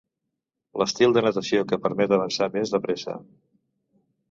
L'estil de natació que permet avançar més de pressa.